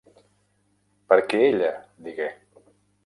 "Per què ella", digué.